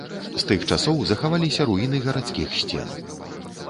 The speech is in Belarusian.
З тых часоў захаваліся руіны гарадскіх сцен.